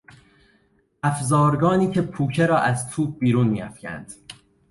افزارگانی که پوکه را از توپ بیرون میافکند